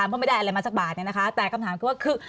เพราะไม่ได้อะไรมาสักบาทเนี่ยนะคะแต่คำถามคือว่าคือ